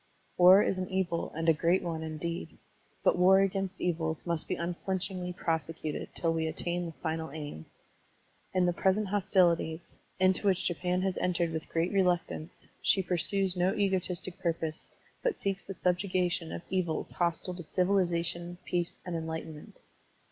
War is an evil and a great one, indeed. But war against evils must be tmflinchingly prose cuted till we attain the final aim. In the present hostilities, into which Japan has entered with great reluctance, she pursues no egotistic purpose, but seeks the subjugation of evils hostile to civili zation, peace, and enlightenment.